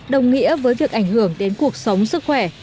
đồng nghĩa với việc ảnh hưởng đến cuộc sống sức khỏe